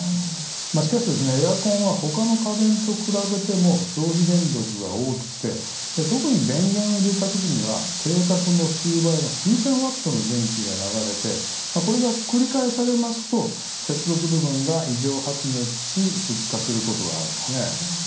しかしエアコンは他の家電と比べても消費電力が大きく特に電源を入れた時には定格の数倍の数千ワットの電気が流れてこれが繰り返されますと接続部分が異常発熱して出火することがあるんです。